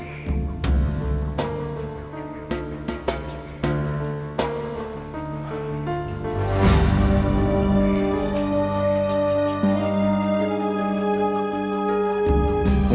ada apa den